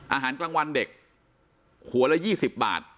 อาหารกลางวันเด็กหัวละ๒๐บาท